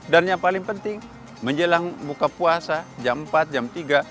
dan yang paling penting menjelang buka puasa jam empat jam tiga